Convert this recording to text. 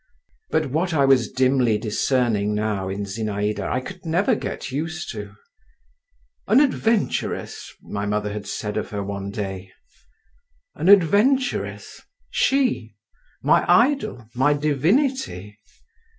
But what I was dimly discerning now in Zinaïda, I could never get used to…. "An adventuress!" my mother had said of her one day. An adventuress—she, my idol, my divinity?